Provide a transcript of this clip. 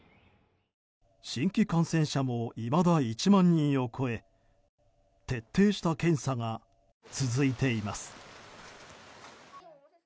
新規感染者もいまだ１万人を超え徹底した検査が続いています。